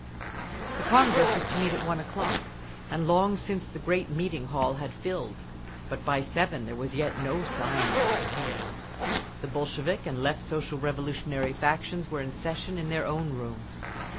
The Congress was to meet at one o'clock, and long since the great meeting hall had filled, but by seven there was yet no sign of the presidium…. The Bolshevik and Left Social Revolutionary factions were in session in their own rooms.